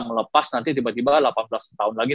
melepas nanti tiba tiba delapan belas tahun lagi